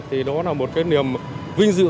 thì đó là một cái niềm vinh dự